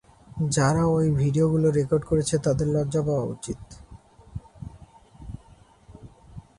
যারা ওই ভিডিওগুলো রেকর্ড করেছে তাদের লজ্জা পাওয়া উচিত।